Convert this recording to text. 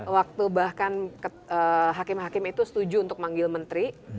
waktu bahkan hakim hakim itu setuju untuk manggil menteri